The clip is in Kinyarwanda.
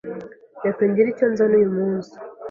Reka ngire icyo nzana uyu munsi